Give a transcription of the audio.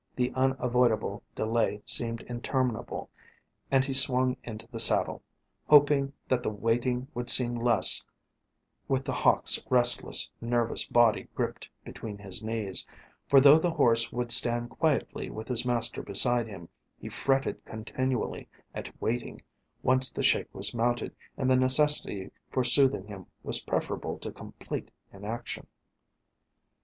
The unavoidable delay seemed interminable, and he swung into the saddle, hoping that the waiting would seem less with The Hawk's restless, nervous body gripped between his knees, for though the horse would stand quietly with his master beside him, he fretted continually at waiting once the Sheik was mounted, and the necessity for soothing him was preferable to complete inaction.